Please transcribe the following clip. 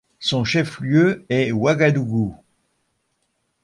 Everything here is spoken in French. Son chef-lieu est Ouagadougou.